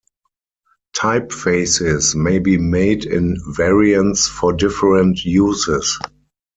Typefaces may be made in variants for different uses.